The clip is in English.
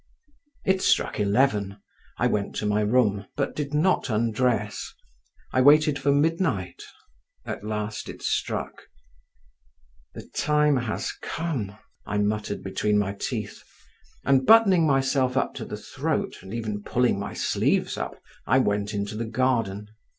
It struck eleven; I went to my room, but did not undress; I waited for midnight; at last it struck. "The time has come!" I muttered between my teeth; and buttoning myself up to the throat, and even pulling my sleeves up, I went into the garden.